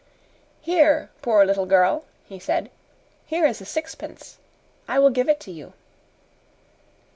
"Here, poor little girl," he said. "Here is a sixpence. I will give it to you."